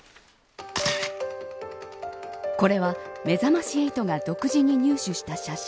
これは、めざまし８が独自に入手した写真。